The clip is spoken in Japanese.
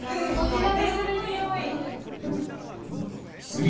お寺でするにおい！